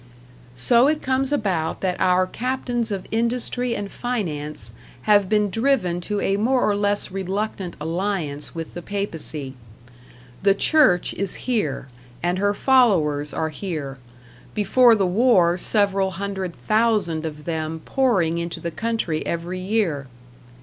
So it comes about that our captains of industry and finance have been driven to a more or less reluctant alliance with the Papacy. The Church is here, and her followers are here, before the war several hundred thousand of them pouring into the country every year.